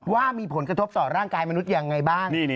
ว่ามีผลกระทบต่อร่างกายมนุษย์ยังไงบ้าง